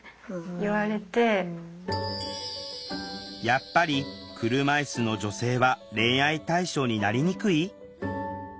やっぱり車いすの女性は恋愛対象になりにくい？